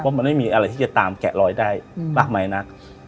เพราะมันไม่มีอะไรที่จะตามแกะลอยได้อืมปากไม้นัก